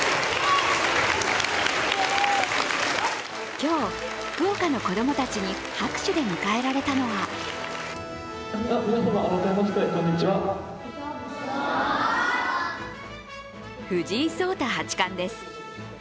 今日、福岡の子供たちに拍手で迎えられたのは藤井聡太八冠です。